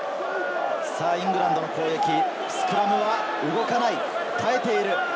イングランドの攻撃、スクラムは動かない耐えている。